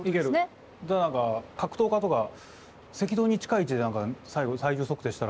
だから格闘家とか赤道に近い位置で最後体重測定したら。